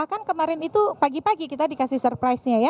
kan kemarin itu pagi pagi kita dikasih surprise nya ya